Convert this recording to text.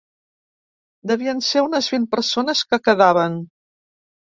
Devien ser unes vint persones, que quedaven.